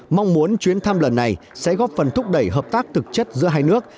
mong muốn chuyến thăm lần này sẽ góp phần thúc đẩy hợp tác thực chất giữa hai nước